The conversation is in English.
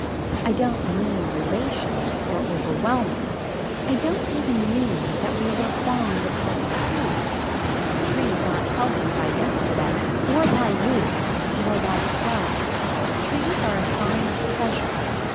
I don't mean relations or overwhelming. I don't even mean that we were fond of healthy trees. Trees aren't healthy by yesterday or by roots or by swelling. Trees are a sign of pleasure.